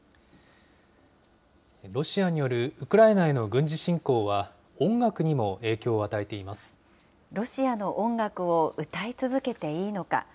ロシアによるウクライナへの軍事侵攻は、音楽にも影響を与えロシアの音楽を歌い続けていいのか。